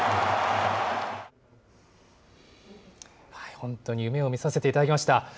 本当に夢を見させていただきました。